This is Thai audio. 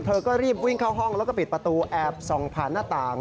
เธอก็รีบวิ่งเข้าห้องแล้วก็ปิดประตูแอบส่องผ่านหน้าต่าง